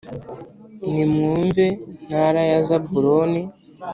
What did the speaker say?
“nimwumve ntara ya zabuloni